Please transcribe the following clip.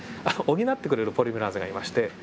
補ってくれるポリメラーゼがいまして